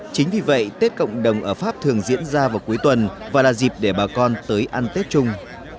chính vì vậy tết cộng đồng ở pháp thường diễn ra vào cuối tuần và là dịp để bà con tới ăn tết chung